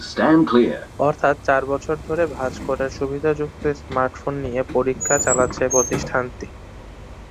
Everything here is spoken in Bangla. অর্থাৎ চার বছর ধরে ভাঁজ করার সুবিধাযুক্ত স্মার্টফোন নিয়ে পরীক্ষা চালাচ্ছে প্রতিষ্ঠানটি।